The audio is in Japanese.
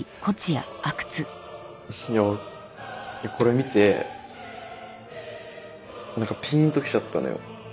いや俺これ見て何かピンときちゃったのよ。